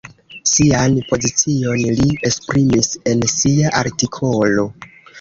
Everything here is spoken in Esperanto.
Sian pozicion li esprimis en sia artikolo.